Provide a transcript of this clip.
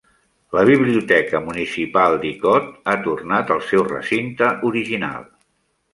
La biblioteca municipal d'Icod ha tornat al seu recinte original.